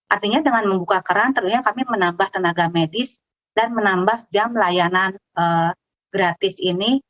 artinya dengan membuka keran tentunya kami menambah tenaga medis dan menambah jam layanan gratis ini